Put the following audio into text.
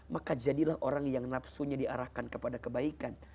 maka jadilah orang yang nafsunya diarahkan kepada kebaikan